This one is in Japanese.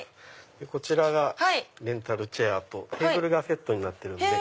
こちらレンタルチェアとテーブルがセットになってるので。